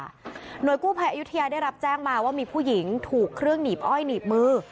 หน่วยกู้ภัยอายุทยาได้รับแจ้งมาว่ามีผู้หญิงถูกเครื่องหนีบอ้อยหนีบมือ